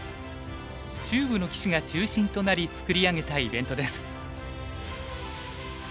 中部の棋士が中心となり作り上げたイベントです。